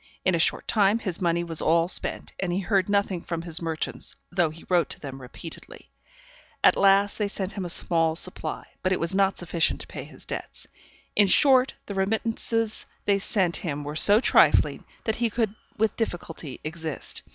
In a short time his money was all spent, and he heard nothing from his merchants though he wrote to them repeatedly; at last they sent him a small supply, but it was not sufficient to pay his debts. In short, the remittances they sent him were so trifling, that he could with difficulty exist.